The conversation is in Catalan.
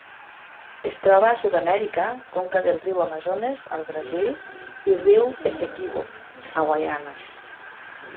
Es troba a Sud-amèrica: conca del riu Amazones al Brasil i riu Essequibo a Guaiana.